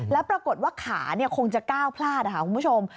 แล้วปรากฏว่าขาคงจะก้าวพลาดค่ะคุณผู้ชม